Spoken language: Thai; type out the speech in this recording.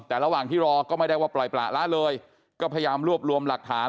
แต่ระหว่างที่รอก็ไม่ได้ว่าปล่อยประละเลยก็พยายามรวบรวมหลักฐาน